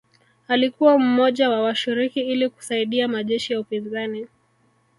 Alikuwa mmoja wa washiriki ili kusaidia majeshi ya upinzani